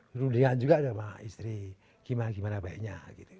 terundingan juga sama istri gimana gimana baiknya